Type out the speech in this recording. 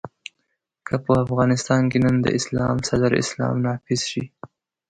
که په افغانستان کې نن د اسلام صدر اسلام نافذ شي.